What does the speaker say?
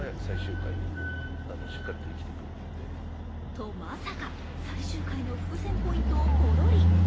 とまさか、最終回の伏線ポイントをポロリ。